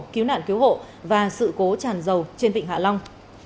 cứu nạn cứu hộ và sự cố tràn dầu trên vịnh hạ long